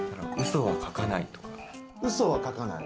うそは書かない。